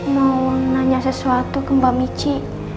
mau nanya sesuatu ke mbak mici